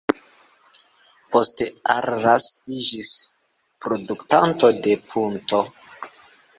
Poste Arras iĝis produktanto de punto.